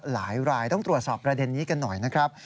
หลายรายต้องตรวจสอบประเด็นนี้กันหน่อยนะครับ